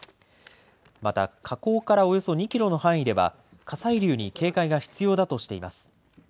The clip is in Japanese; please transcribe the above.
また火口からおよそ２キロの範囲では火砕流に警戒が必要だとしています。